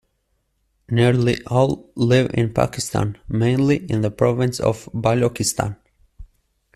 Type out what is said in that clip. Nearly all live in Pakistan, mainly in the province of Balochistan.